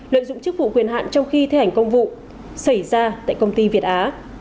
lợi dụng chức vụ quyền hạn trong khi thi hành công vụ xảy ra tại công ty việt á